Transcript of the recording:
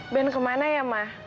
ben kemana ya ma